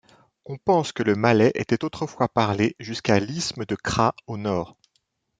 On pense que le malais était autrefois parlé jusqu'à l'isthme de Kra au nord.